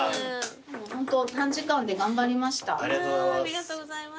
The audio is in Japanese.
ありがとうございます。